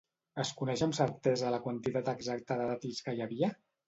Es coneix amb certesa la quantitat exacta de dàctils que hi havia?